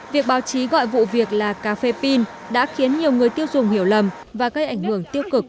việc báo chí gọi vụ việc là cà phê pin đã khiến nhiều người tiêu dùng hiểu lầm và gây ảnh hưởng tiêu cực